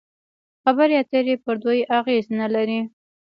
خبرې اترې پر دوی اغېز نلري.